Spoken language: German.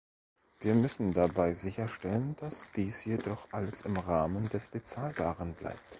Wir müssen dabei sicherstellen, dass dies jedoch alles im Rahmen des Bezahlbaren bleibt.